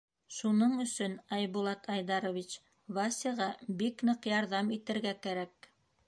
— Шуның өсөн, Айбулат Айдарович, Васяға бик ныҡ ярҙам итергә кәрәк.